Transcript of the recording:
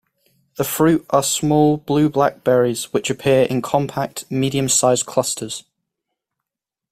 The fruit are small blue-black berries, which appear in compact, medium-sized clusters.